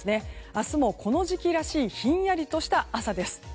明日もこの時期らしいひんやりとした朝です。